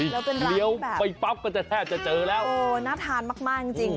แล้วเป็นร้านแบบโอ้โฮน่าทานมากจริง